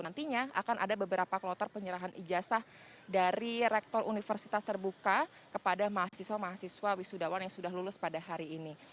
nantinya akan ada beberapa kloter penyerahan ijazah dari rektor universitas terbuka kepada mahasiswa mahasiswa wisudawan yang sudah lulus pada hari ini